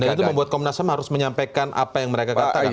nah itu membuat komnas ham harus menyampaikan apa yang mereka katakan